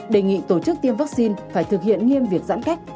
đề nghị tổ chức tiêm vắc xin phải thực hiện nghiêm việc giãn cách